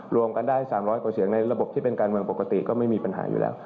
รวมกันได้๓๐๐กว่าเสียงในระบบที่เป็นการเมืองปกติก็ไม่มีปัญหาอยู่แล้ว